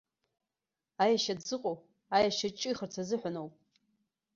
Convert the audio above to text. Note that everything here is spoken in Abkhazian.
Аешьа дзыҟоу аешьа дҿихырц азыҳәаноуп.